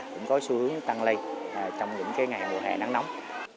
cũng có xu hướng tăng lên trong những cái ngày mùa hè nắng nóng